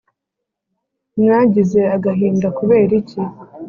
mwagize agahinda kuberiki